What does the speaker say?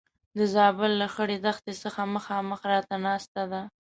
د زابل له خړې دښتې څخه مخامخ راته ناسته ده.